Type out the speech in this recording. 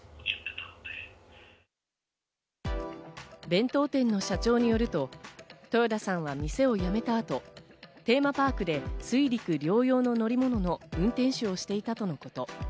弁当店の社長によると豊田さんは店をやめたあとテーマパークで水陸両用の乗り物の運転手をしていたとのこと。